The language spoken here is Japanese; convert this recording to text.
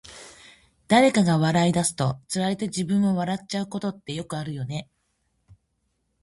誰かが笑い出すと、つられて自分も笑っちゃうことってよくあるよね。